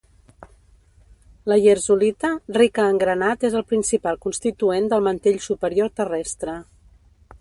La lherzolita rica en granat és el principal constituent del mantell superior terrestre.